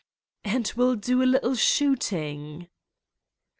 "And will do a little shooting."